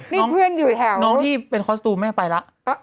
นี่เพื่อนอยู่แถวน้องที่เป็นคอสตูมแม่ไปแล้ว